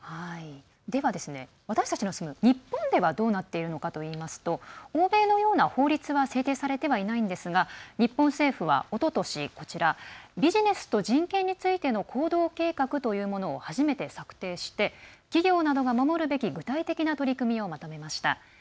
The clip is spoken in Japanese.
では、私たちの住む日本ではどうなってるのかといいますと欧米のような法律は制定されてはいないんですが日本政府はおととし「ビジネスと人権についての行動計画」というものを初めて策定して、企業などが守るべき具体的な取り組みをまとめました。